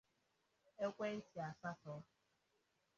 ekwentị asatọ